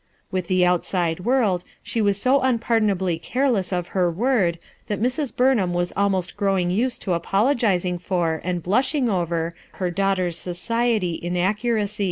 With the outside world she was bo un pardonably careless of her word that Mrs. Burnham was al most growing used to apologizing for and blush ing over her daughter's society inaccuracies.